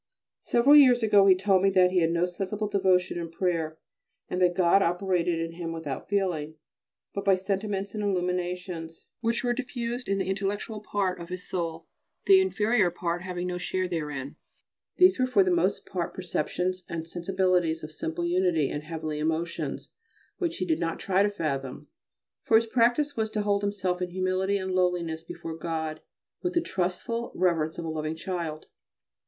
Several years ago he told me that he had no sensible devotion in prayer, and that God operated in him without feeling, but by sentiments and illuminations, which were diffused in the intellectual part of his soul, the inferior part having no share therein. These were for the most part perceptions and sensibilities of simple unity and heavenly emotions which he did not try to fathom: for his practice was to hold himself in humility and lowliness before God with the trustful reverence of a loving child.